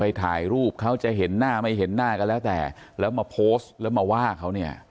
ถ่ายรูปเขาจะเห็นหน้าไม่เห็นหน้าก็แล้วแต่แล้วมาโพสต์แล้วมาว่าเขาเนี่ย